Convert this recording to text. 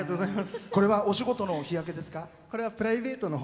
これはお仕事の日焼けですか？